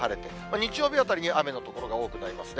日曜日あたりに雨の所が多くなりますね。